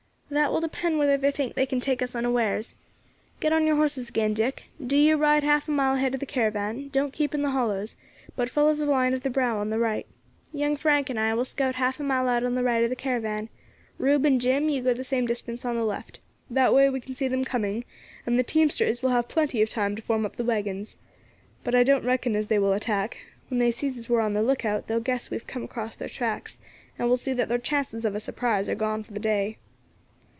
"That will depend on whether they think they can take us unawares. Get on yer horses again. Dick, do you ride half a mile ahead of the caravan, don't keep in the hollows, but follow the line of the brow on the right. Young Frank and I will scout half a mile out on the right of the caravan; Rube and Jim, you go the same distance on the left; that way we can see them coming, and the teamsters will have plenty of time to form up the waggons. But I don't reckon as they will attack; when they sees as we are on the lookout they will guess we have come across their tracks, and will see that their chances of a surprise are gone for the day."